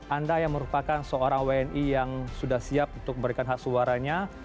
anda yang merupakan seorang wni yang sudah siap untuk memberikan hak suaranya